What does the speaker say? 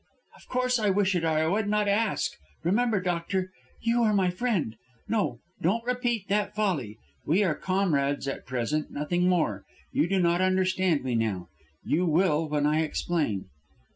"Of course I wish it or I would not ask. Remember, doctor, you are my friend. No, don't repeat that folly. We are comrades at present, nothing more. You do not understand me now. You will when I explain."